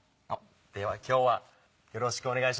では今日はよろしくお願いします。